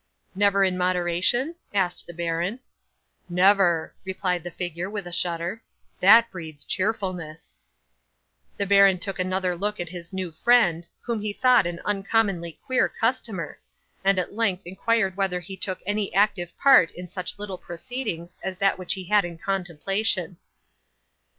'"Never in moderation?" asked the baron. '"Never," replied the figure, with a shudder, "that breeds cheerfulness." 'The baron took another look at his new friend, whom he thought an uncommonly queer customer, and at length inquired whether he took any active part in such little proceedings as that which he had in contemplation.